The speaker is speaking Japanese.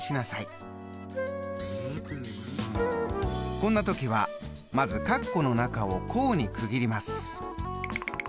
こんな時はまず括弧の中を項に区切ります。